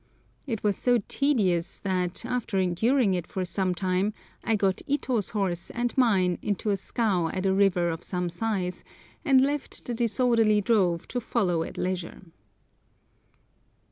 It was so tedious that, after enduring it for some time I got Ito's horse and mine into a scow at a river of some size, and left the disorderly drove to follow at leisure.